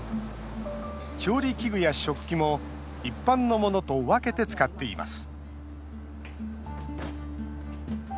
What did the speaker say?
調理器具や食器も一般のものと分けて使っています。